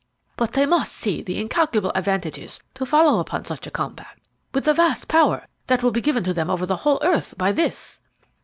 "But they must see the incalculable advantages to follow upon such a compact, with the vast power that will be given to them over the whole earth by this."